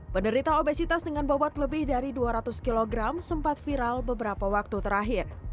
penderita obesitas dengan bobot lebih dari dua ratus kg sempat viral beberapa waktu terakhir